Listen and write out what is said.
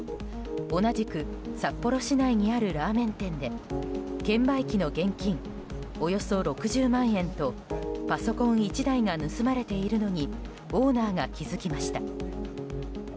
同じく札幌市内にあるラーメン店で券売機の現金およそ６０万円とパソコン１台が盗まれているのにオーナーが気付きました。